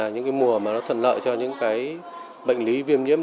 những mùa thận lợi cho những bệnh lý viêm nhiễm